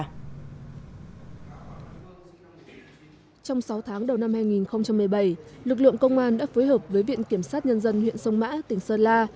trong sáu tháng đầu năm hai nghìn một mươi bảy lực lượng công an đã phối hợp với viện kiểm sát nhân dân huyện sông mã tỉnh sơn la